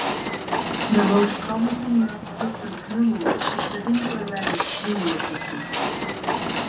The most commonly used system of numerals is the Hindu-Arabic numeral system.